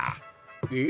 え？